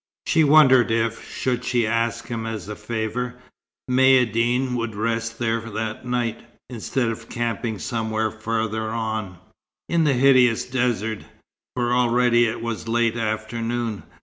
She wondered if, should she ask him as a favour, Maïeddine would rest there that night, instead of camping somewhere farther on, in the hideous desert; for already it was late afternoon.